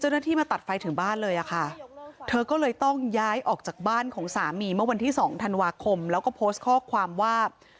มาตัดไฟถึงบ้านเลยอะค่ะเธอก็เลยต้องย้ายออกจากบ้านของสามีเมื่อวันที่๒ธันวาคมแล้วก็โพสต์ข้อความว่า